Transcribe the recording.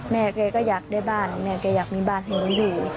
แม่แกก็อยากได้บ้านแม่แกอยากมีบ้านให้หนูอยู่